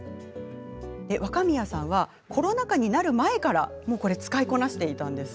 若宮さん、コロナ禍になる前から使いこなしているんです。